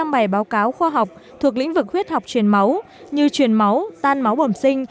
một trăm linh bài báo cáo khoa học thuộc lĩnh vực huyết học chuyển máu như chuyển máu tan máu bẩm sinh